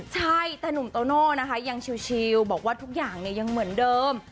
ใช่แต่หนุ่มโตโน่นะคะยังชิลบอกว่าทุกอย่างยังเหมือนเดิม